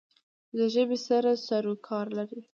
چې د ژبې سره سرو کار لری